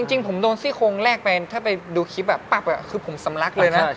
จริงผมโดนซี่โครงแรกไปถ้าไปดูคลิปปั๊บคือผมสำลักเลยนะ